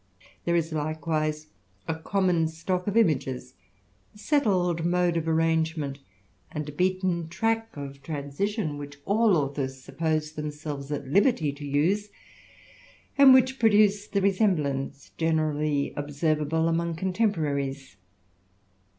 There is likewise a common stock of images^ THE RAMBLER, 155 a settled mode of arrangement, and a beaten track of transition, which all authors suppose themselves at liberty to use, and which produce the resemblance generally observable among contemporaries.